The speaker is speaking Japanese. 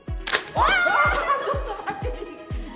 あちょっと待って。